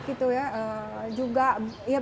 gitu ya juga ya